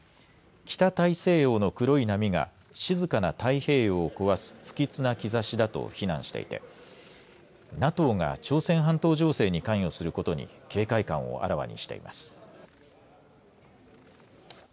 北大西洋の黒い波が静かな太平洋を壊す不吉な兆しだと非難していてＮＡＴＯが朝鮮半島情勢に関与することに警戒感をあらわにしています。